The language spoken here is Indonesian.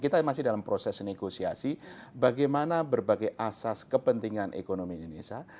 kita masih dalam proses negosiasi bagaimana berbagai asas kepentingan ekonomi indonesia